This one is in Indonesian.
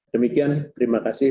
demikian terima kasih